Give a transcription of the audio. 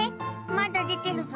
まだ出てるぞ